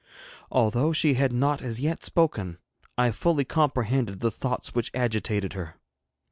Although she had not as yet spoken, I fully comprehended the thoughts which agitated her.